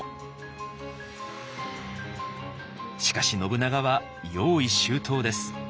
しかし信長は用意周到です。